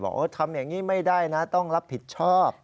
ทำอย่างนี้ไม่ได้นะต้องรับผิดชอบ